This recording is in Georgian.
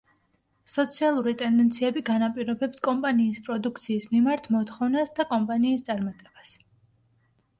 სოციალური ტენდენციები განაპირობებს კომპანიის პროდუქციის მიმართ მოთხოვნას და კომპანიის წარმატებას.